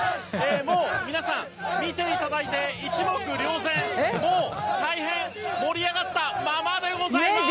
もう皆さん、見ていただいて一目瞭然、もう大変盛り上がったままでございます。